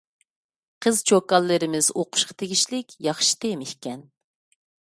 قىز-چوكانلىرىمىز ئوقۇشقا تېگىشلىك ياخشى تېما ئىكەن.